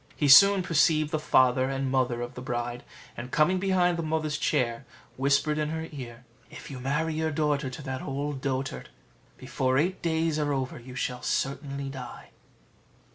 He soon perceived the father and mother of the bride; and coming behind the mother's chair, whispered in her ear, "If you marry your daughter to that old dotard, before eight days are over you shall certainly die."